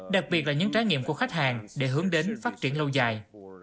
đặc biệt là những trái nghiệm của khách hàng để hướng đến phát triển lâu dài